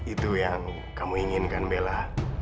itu yang kamu inginkan bella